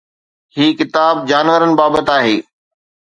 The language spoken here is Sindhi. هي ڪتاب جانورن بابت آهي.